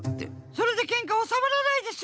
それでけんかおさまらないでしょ！